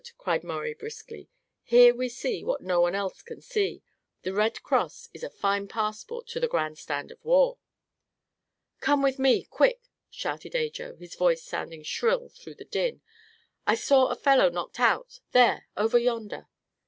cried Maurie briskly. "Here we see what no one else can see. The Red Cross is a fine passport to the grand stand of war." "Come with me quick!" shouted Ajo, his voice sounding shrill through the din. "I saw a fellow knocked out there over yonder!"